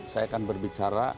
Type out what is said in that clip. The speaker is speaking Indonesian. saya akan berbicara